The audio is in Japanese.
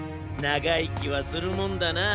ながいきはするもんだな。